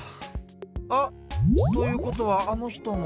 あ！ということはあのひとも。